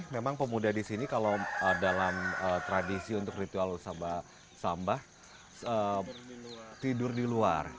memang pemuda di sini kalau dalam tradisi untuk ritual sambah tidur di luar